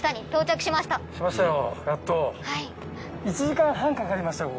１時間半かかりましたよ